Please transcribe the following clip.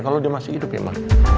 kalau dia masih hidup ya mas